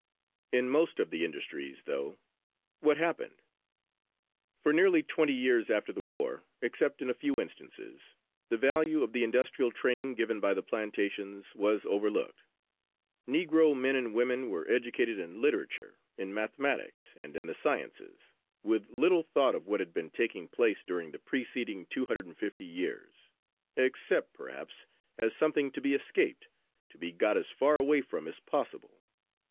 In most of the industries, though, what happened? For nearly twenty years after the war, except in a few instances, the value of the industrial training given by the plantations was overlooked. Negro men and women were educated in literature, in mathematics and in the sciences, with little thought of what had been taking place during the preceding two hundred and fifty years, except, perhaps, as something to be escaped, to be got as far away from as possible.